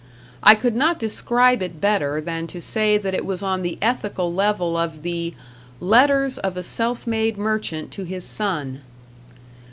I could not describe it better than to say that it was on the ethical level of the "Letters of a Self Made Merchant to His Son".